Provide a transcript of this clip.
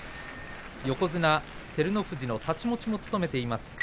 横綱照ノ富士の太刀持ちも務めています。